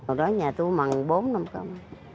hồi đó nhà tôi bằng bốn năm cơm